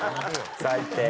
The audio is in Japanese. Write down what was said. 最低。